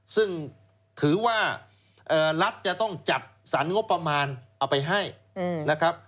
ซึ่งถือว่ารัฐจะต้องจัดสรรงบประมาณเอาไปให้นะครับ